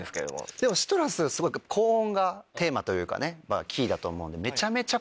でも『ＣＩＴＲＵＳ』すごい高音がテーマというかキーだと思うんで。